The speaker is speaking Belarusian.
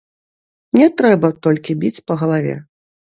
Не трэба толькі біць па галаве.